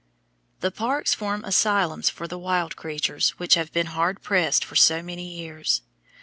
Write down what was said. The parks form asylums for the wild creatures which have been hard pressed for so many years.